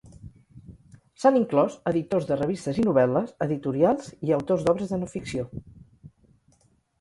S'han inclòs editors de revistes i novel·les, editorials i autors d'obres de no ficció.